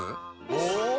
お！